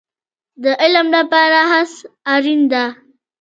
د علم لپاره هڅه اړین ده